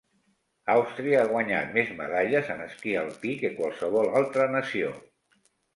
Austria ha guanyat més medalles en esquí alpí que qualsevol altre nació.